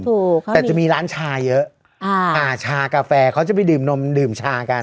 ถูกค่ะแต่จะมีร้านชาเยอะอ่าอ่าชากาแฟเขาจะไปดื่มนมดื่มชากัน